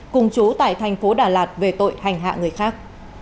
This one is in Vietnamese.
cùng chú tại tp đà lạt về tội hành hạ người khác